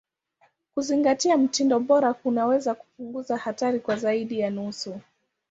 Kuzingatia mtindo bora kunaweza kupunguza hatari kwa zaidi ya nusu.